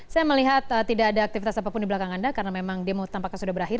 saya melihat tidak ada aktivitas apapun di belakang anda karena memang demo tampaknya sudah berakhir